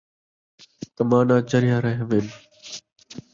کماناں چڑھیاں رہونیں